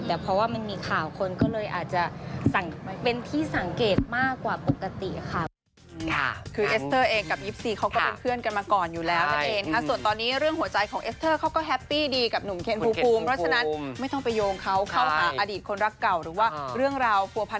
แต่เพราะว่ามันมีข่าวคนก็เลยอาจจะเป็นที่สังเกตมากกว่าปกติค่ะ